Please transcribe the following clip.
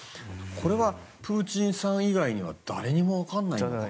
これは、プーチンさん以外には誰にも分からないかな。